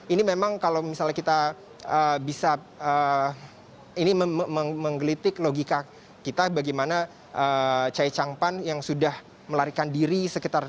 ini memang kalau misalnya kita bisa ini menggelitik logika kita bagaimana chai chang pan yang sudah melarikan diri sekitar